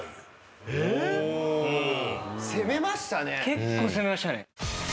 結構攻めましたね。